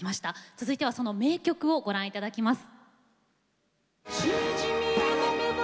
続いてはその名曲をご覧頂きます。